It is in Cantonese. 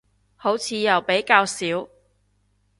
好似又比較少